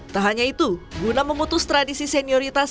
tak hanya itu guna memutus tradisi senioritas